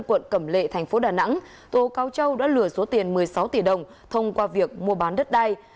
quận cẩm lệ tp đà nẵng tố cao châu đã lừa số tiền một mươi sáu tỷ đồng thông qua việc mua bán đất đai